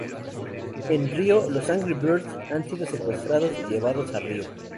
En "Río", los Angry Birds han sido secuestrados y llevados a Río.